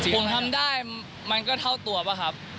ผมทำได้มันก็เท่าตัวป่ะครับ